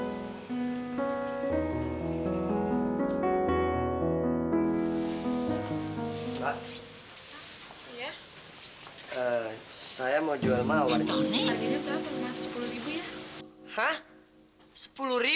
eh saya mau jual mawar